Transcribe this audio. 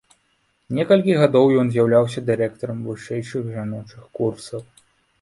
Некалькі гадоў ён з'яўляўся дырэктарам вышэйшых жаночых курсаў.